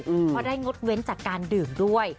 เพราะได้งดเว้นจากการดื่มด้วย